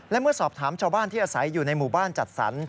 และเมื่อสอบถามชาวบ้านที่อาศัยอยู่ในหมู่บ้านจัดสรร